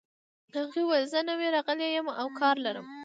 هغې وویل چې زه نوی راغلې یم او کار لرم